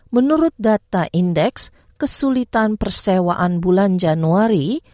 menurut data indeks kesulitan persewaan bulan januari